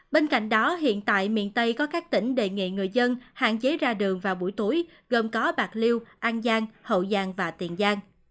bên cạnh đó hiện tại miền tây có các tỉnh đề nghị người dân hạn chế ra đường vào buổi tối gồm có bạc liêu an giang hậu giang và tiền giang